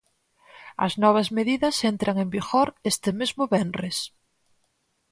As novas medidas entran en vigor este mesmo venres.